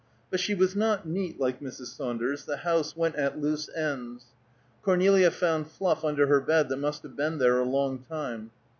But she was not neat, like Mrs. Saunders; the house went at loose ends. Cornelia found fluff under her bed that must have been there a long time.